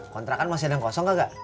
kontrakan masih ada yang kosong gak